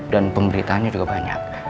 dan pemberitahannya juga banyak